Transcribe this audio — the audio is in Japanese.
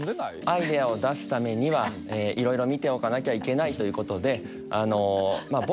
アイデアを出すためには色々見ておかなきゃいけないということでまあ